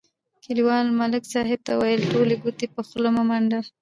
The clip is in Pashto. کلیوال ملک صاحب ته ویل: ټولې ګوتې په خوله مه منډه.